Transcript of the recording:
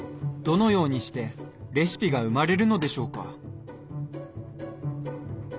どのようにしてレシピが生まれるのでしょうか？